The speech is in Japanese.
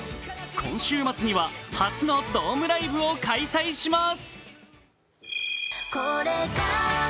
今週末には初のドームライブを開催します。